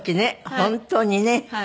本当にね